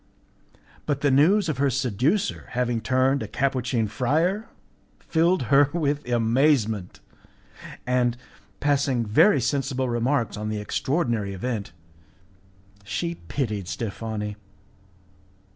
But the news of her seducer having turned a Capuchin friar filled her with amazement, and, passing very sensible remarks on the extraordinary event, she pitied Steffani.